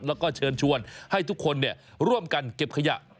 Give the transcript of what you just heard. แล้วก็เชิญชวนให้ทุกคนร่วมกันเก็บขยะ